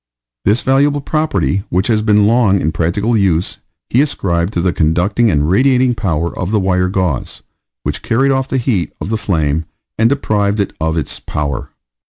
This valuable property, which has been long in practical use, he ascribed to the conducting and radiating power of the wire gauze, which carried off the heat of the flame, and deprived it of its power.